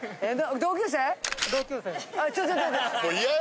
同級生や。